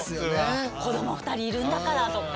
子ども２人いるんだからとか。